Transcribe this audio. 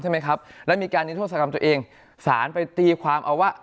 เอาในไทยดีกว่า